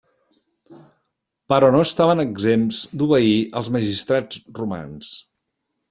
Però no estaven exempts d'obeir als magistrats romans.